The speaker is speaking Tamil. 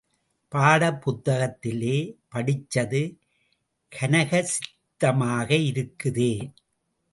பாடப் புத்தகத்திலே படிச்சது கனகச்சிதமாக இருக்குதே!...